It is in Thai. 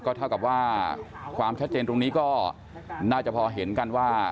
เท่ากับว่าความชัดเจนตรงนี้ก็น่าจะพอเห็นกันว่า